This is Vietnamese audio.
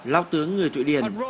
lao tướng người thụy điển